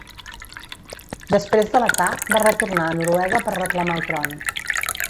Després de l'atac va retornar a Noruega per reclamar el tron.